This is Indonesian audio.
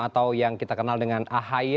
atau yang kita kenal dengan ahy